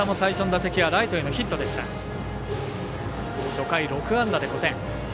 初回６安打で５点。